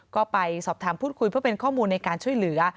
ก็ไปสอบถามพูดคุยเพื่อเป็นข้อมูลในการช่วยเหลือ